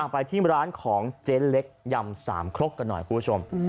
ไปที่ร้านของเจ๊เล็กยำสามครกกันหน่อยคุณผู้ชม